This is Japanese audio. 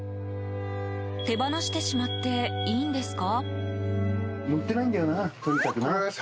手放してしまっていいんですか？